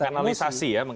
ya mengkanalisasi ya